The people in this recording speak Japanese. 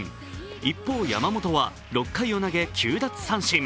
一方、山本は６回を投げ９奪三振。